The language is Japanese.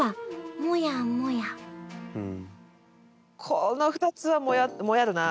この２つはもやるな。